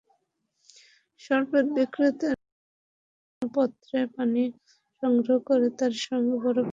শরবত বিক্রেতারা অপরিচ্ছন্ন পাত্রে পানি সংগ্রহ করে তাঁর সঙ্গে বরফ মেশাচ্ছেন।